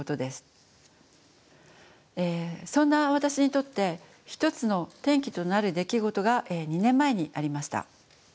そんな私にとって一つの転機となる出来事が２年前にありました。